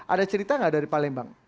ada cerita nggak dari palembang